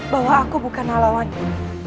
bahwa aku bukan alawanku